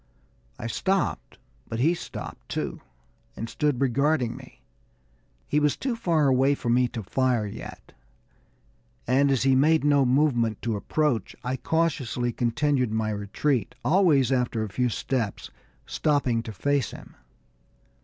I stopped, but he stopped, too, and stood regarding me. He was too far away for me to fire yet, and as he made no movement to approach, I cautiously continued my retreat, always after a few steps stopping to face him.